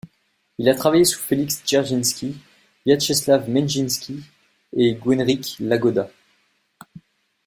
Il a travaillé sous Félix Dzerjinski, Viatcheslav Menjinski, et Guenrikh Iagoda.